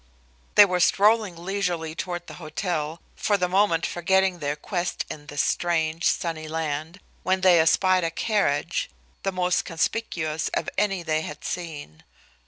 They were strolling leisurely toward the hotel, for the moment forgetting their quest in this strange, sunny land, when they espied a carriage, the most conspicuous of any they had seen.